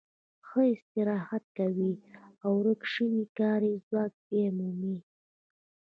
هغه استراحت کوي او ورک شوی کاري ځواک بیا مومي